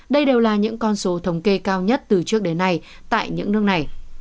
đây đều là những con số thống kê cao nhất từ trước đến nay tại những nước này